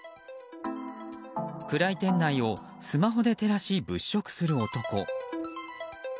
暗い店内をスマホで照らし物色する男。